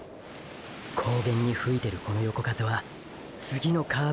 高原に吹いてるこの横風は次のカーブを曲がれば。